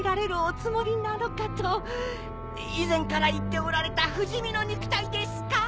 以前から言っておられた不死身の肉体ですか？